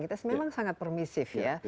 kita memang sangat permisif ya